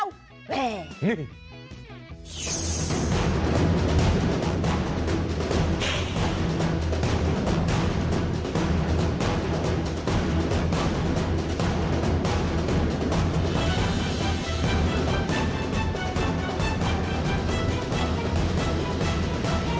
แบบนี้